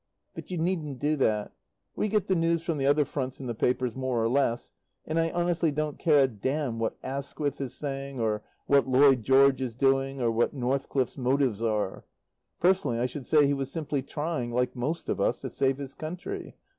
But you needn't do that. We get the news from the other fronts in the papers more or less; and I honestly don't care a damn what Asquith is saying or what Lloyd George is doing or what Northcliffe's motives are. Personally, I should say he was simply trying, like most of us, to save his country.